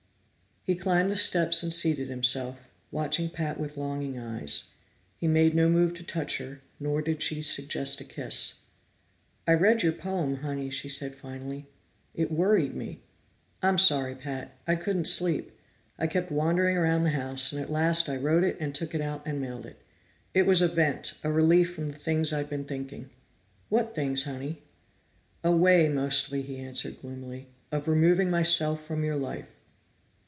He climbed the steps and seated himself, watching Pat with longing eyes. He made no move to touch her, nor did she suggest a kiss. "I read your poem, Honey," she said finally. "It worried me." "I'm sorry, Pat. I couldn't sleep. I kept wandering around the house, and at last I wrote it and took it out and mailed it. It was a vent, a relief from the things I'd been thinking." "What things, Honey?" "A way, mostly," he answered gloomily, "of removing myself from your life.